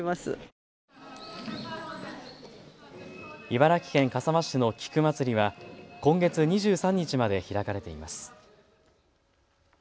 茨城県笠間市の菊まつりは今月２３日まで開かれています。